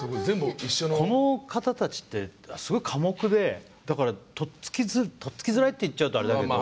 この方たちってすごい寡黙でだから取っつきづらいって言っちゃうとあれだけど。